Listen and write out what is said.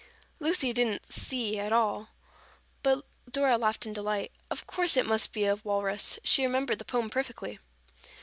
Lucy didn't "see" at all, but Dora laughed in delight. Of course it must be a walrus. She remembered the poem perfectly.